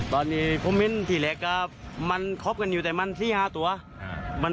พ่อเที่ยวที่เด็กลมดูมาเลย